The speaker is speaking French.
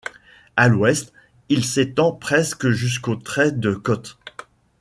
À l'ouest il s'étend presque jusqu'au trait de côte.